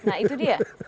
nah itu dia